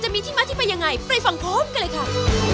มีที่มาที่ไปยังไงไปฟังพร้อมกันเลยค่ะ